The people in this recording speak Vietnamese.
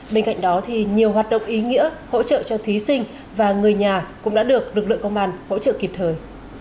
bên cạnh đó thì nhiều hoạt động ý nghĩa hỗ trợ cho thí sinh và người nhà cũng đã được lực lượng công an hỗ trợ kịp thời